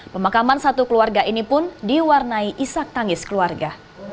pemakaman satu keluarga ini pun diwarnai isak tangis keluarga